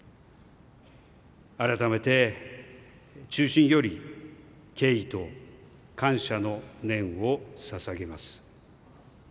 改めて、衷心より敬意と感謝の念を捧げます。